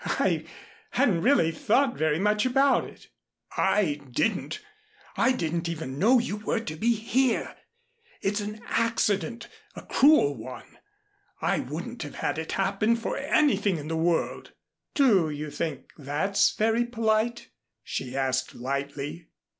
"I hadn't really thought very much about it." "I didn't I didn't even know you were to be here. It's an accident a cruel one. I wouldn't have had it happen for anything in the world." "Do you think that's very polite?" she asked lightly.